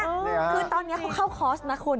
คือตอนนี้เขาเข้าคอร์สนะคุณ